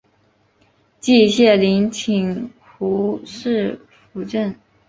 季羡林请胡适斧正。